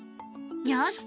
よし！